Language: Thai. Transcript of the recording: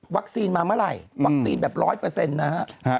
วัคซีนมาเมื่อไหร่วัคซีนแบบร้อยเปอร์เซ็นต์นะครับ